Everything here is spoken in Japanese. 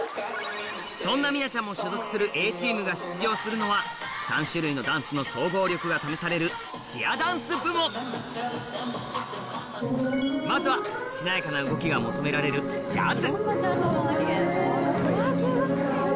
そんなみなちゃんも所属する Ａ チームが出場するのは３種類のダンスの総合力が試されるチアダンス部門まずはしなやかな動きが求められるジャズ